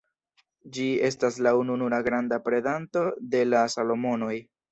Ĝi estas la ununura granda predanto de la Salomonoj.